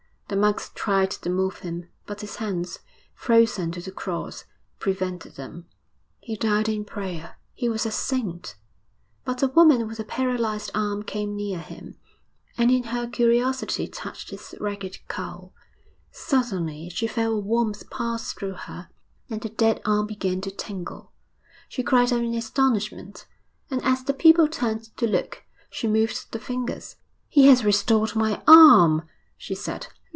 The monks tried to move him, but his hands, frozen to the cross, prevented them. 'He died in prayer he was a saint!' But a woman with a paralysed arm came near him, and in her curiosity touched his ragged cowl.... Suddenly she felt a warmth pass through her, and the dead arm began to tingle. She cried out in astonishment, and as the people turned to look she moved the fingers. 'He has restored my arm,' she said.